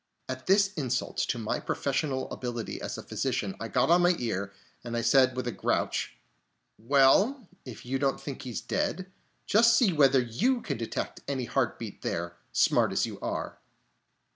At this insult to my professional ability as a physician, I got on my ear, and said with a grouch: "Well, if you don't think he's dead, just see whether you can detect any heart beat there, smart as you are."